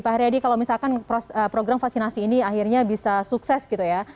pak haryadi kalau misalkan program vaksinasi ini akhirnya bisa sukses gitu ya